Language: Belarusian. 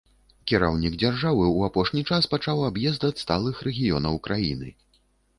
Кіраўнік дзяржавы ў апошні час пачаў аб'езд адсталых рэгіёнаў краіны.